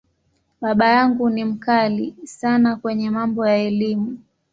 Baba yangu ni ‘mkali’ sana kwenye mambo ya Elimu.